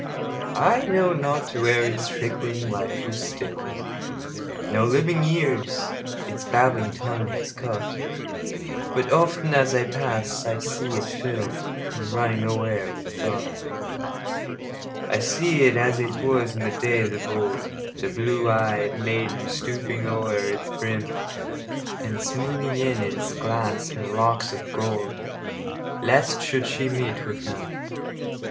I know not where its trickling life was still'd; No living ears its babbling tongue has caught; But often, as I pass, I see it fill'dAnd running o'er with thought.I see it as it was in days of old, The blue ey'd maiden stooping o'er its brim, And smoothing in its glass her locks of gold, Lest she should meet with him.